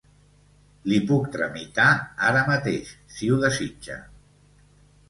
Li puc tramitar ara mateix si ho desitja.